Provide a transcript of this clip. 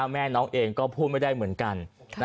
แม่น้องเองก็พูดไม่ได้เหมือนกัน